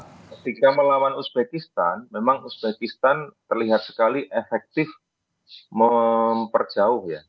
ketika melawan uzbekistan memang uzbekistan terlihat sekali efektif memperjauh ya